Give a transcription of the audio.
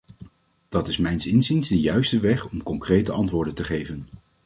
Dat is mijns inziens de juiste weg om concrete antwoorden te geven.